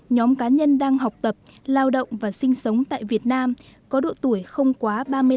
nhóm cá nhân đang học tập lao động và sinh sống tại việt nam có độ tuổi không quá ba mươi năm